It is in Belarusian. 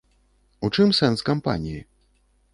У чым сэнс кампаніі?